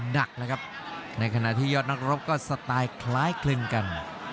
โดยนับละครับ